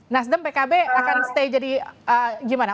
nasdem pkb akan stay jadi gimana